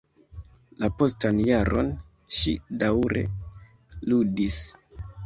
La postan jaron, ŝi daŭre ludis.